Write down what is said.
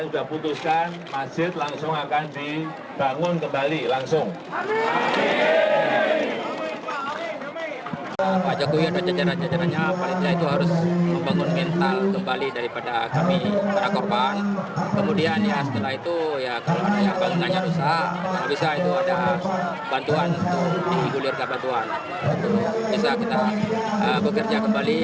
bantuan di gulirkan bantuan bisa kita bekerja kembali